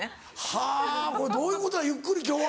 はぁこれどういうことやゆっくり今日は。